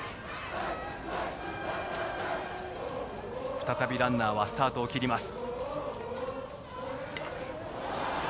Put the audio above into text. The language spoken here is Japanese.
再びランナーはスタート切ります。